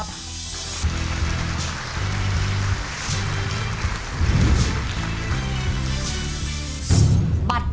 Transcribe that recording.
บัตรประจำตัวประชาชนของใครลงท้ายด้วยเลข๐